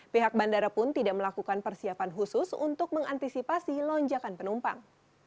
pihak bandara pun tidak melakukan persiapan khusus untuk mengantisipasi lonjakan penumpang